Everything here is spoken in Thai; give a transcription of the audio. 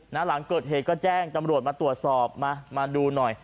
หลังเกิดเหตุก็แจ้งตำรวจมาตรวจสอบมามาดูหน่อย